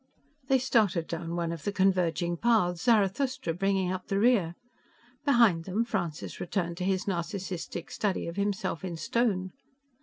They started down one of the converging paths, Zarathustra bringing up the rear. Behind them, Francis returned to his Narcissistic study of himself in stone.